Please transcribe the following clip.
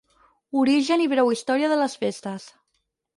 Origen i breu història de les festes.